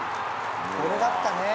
「これだったね」